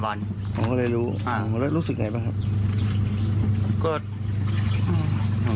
ความจำเลอะเลือนเหมือนเด็กแล้วก็ยืนยันว่าตัวเองไม่ได้ทุบตียายเพราะว่ายายดื้อจริง